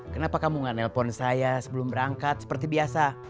kenapa kamu gak nelpon saya sebelum berangkat seperti biasa